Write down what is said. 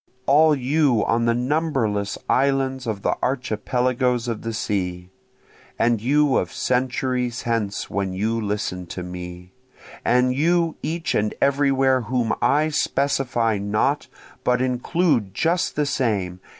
All you on the numberless islands of the archipelagoes of the sea! And you of centuries hence when you listen to me! And you each and everywhere whom I specify not, but include just the same!